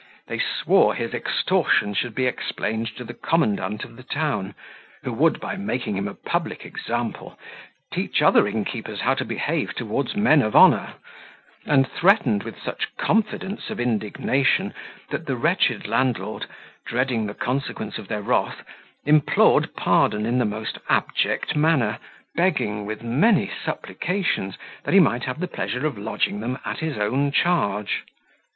They swore his extortion should be explained to the commandant of the town, who would, by making him a public example, teach other innkeepers how to behave towards men of honour; and threatened with such confidence of indignation, that the wretched landlord, dreading the consequence of their wrath, implored pardon in the most abject manner, begging, with many supplications, that he might have the pleasure of lodging them at his own charge.